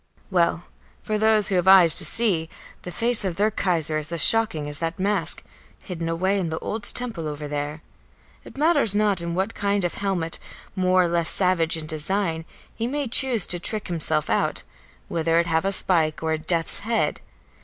Well, for those who have eyes to see, the face of their Kaiser is as shocking as that mask, hidden away in the old temple over there; it matters not in what kind of helmet, more or less savage in design, he may choose to trick himself out, whether it have a spike or a death's head.